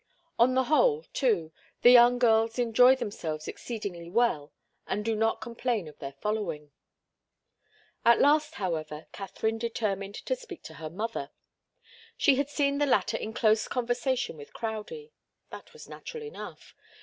On the whole, too, the young girls enjoy themselves exceedingly well and do not complain of their following. At last, however, Katharine determined to speak to her mother. She had seen the latter in close conversation with Crowdie. That was natural enough.